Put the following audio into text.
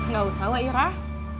gak usah wak irah